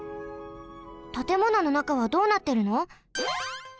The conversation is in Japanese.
たてもののなかはどうなってるの？